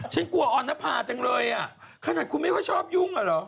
ฉันกลัวออนภาจังเลยอ่ะขนาดคุณไม่ค่อยชอบยุ่งอ่ะเหรอ